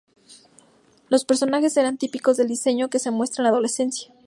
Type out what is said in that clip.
Los personajes eran típicos del diseño que se muestra en la adolescencia.